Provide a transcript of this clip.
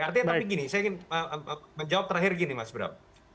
artinya tapi gini saya ingin menjawab terakhir gini mas bram